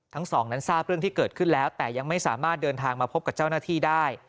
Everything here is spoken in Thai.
ทั้งสองนั้นทราบเรื่องที่เกิดขึ้นแล้วแต่ยังไม่สามารถเดินทางมาพบกับเจ้าหน้าที่ได้